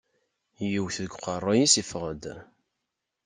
Yewwet deg uqerru-ines yeffeɣ-d.